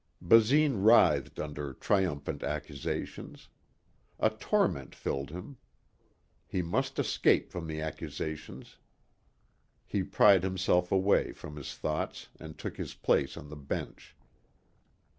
Basine writhed under triumphant accusations. A torment filled him. He must escape from the accusations He pried himself away from his thoughts and took his place on the bench.